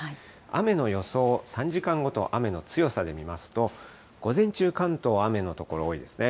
雨の予想を３時間ごと、雨の強さで見ますと、午前中、関東雨の所多いですね。